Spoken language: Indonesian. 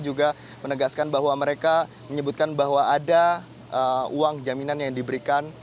juga menegaskan bahwa mereka menyebutkan bahwa ada uang jaminan yang diberikan